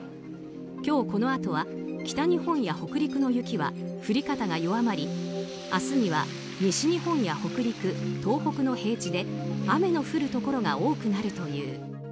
今日このあとは北日本や北陸の雪は降り方が弱まり、明日には西日本や北陸、東北の平地で雨の降るところが多くなるという。